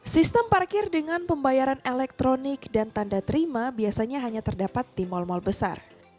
sistem parkir dengan pembayaran elektronik dan tanda terima biasanya hanya terdapat di mal mal besar